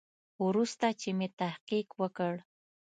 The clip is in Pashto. وروسته چې مې تحقیق وکړ.